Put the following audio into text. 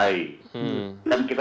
kan kita sudah tidak bercinta